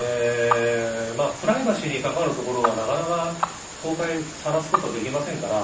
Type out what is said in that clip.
プライバシーに関わるところは、なかなか公開、さらすことはできませんから。